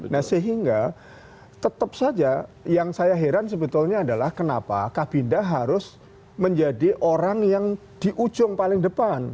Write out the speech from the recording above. nah sehingga tetap saja yang saya heran sebetulnya adalah kenapa kabinda harus menjadi orang yang di ujung paling depan